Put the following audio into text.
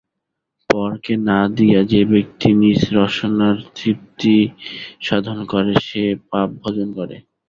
পরকে না দিয়া যে ব্যক্তি নিজ রসনার তৃপ্তিসাধন করে, সে পাপ ভোজন করে।